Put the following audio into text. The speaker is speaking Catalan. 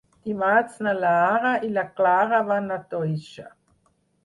Dimarts na Lara i na Clara van a Toixa.